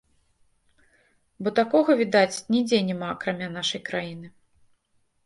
Бо такога, відаць, нідзе няма акрамя нашай краіны.